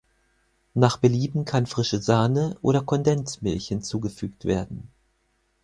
Nach Belieben kann frische Sahne oder Kondensmilch hinzugefügt werden.